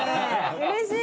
うれしい。